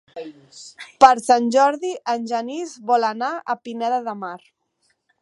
Per Sant Jordi en Genís vol anar a Pineda de Mar.